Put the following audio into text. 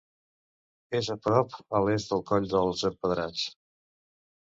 És a prop a l'est del Coll dels Empedrats.